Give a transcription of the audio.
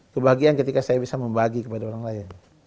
kebahagiaan ketika saya bisa membagi kepada orang lain